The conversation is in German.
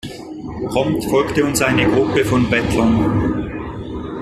Prompt folgte uns eine Gruppe von Bettlern.